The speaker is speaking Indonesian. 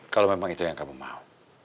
kalau memang itu yang kamu mau